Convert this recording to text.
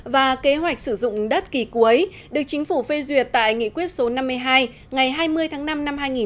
và kế hoạch sử dụng đất kỳ cuối được chính phủ phê duyệt tại nghị quyết số năm mươi hai ngày hai mươi tháng năm năm hai nghìn một mươi